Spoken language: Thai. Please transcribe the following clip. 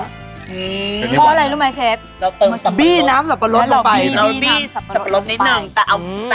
เราเอาบี้น้ำสับปะรดนิดนึงแต่เอาที่บี้ออกนะ